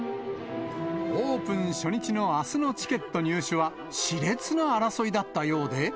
オープン初日のあすのチケット入手は、しれつな争いだったようで。